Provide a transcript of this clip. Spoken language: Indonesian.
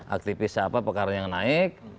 aktivis siapa pekara yang naik